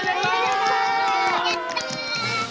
やった！